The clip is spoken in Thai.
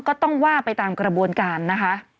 ก็ต้องว่าไปตามกระบวนการนะคะ